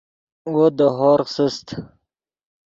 وو دے ہورغ سست